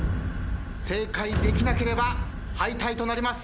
正解できなければ敗退となります。